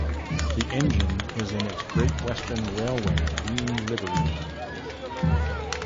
The engine is in its Great Western Railway green livery.